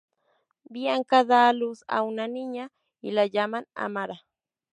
Bianca da a luz a una niña, y la llaman Amara.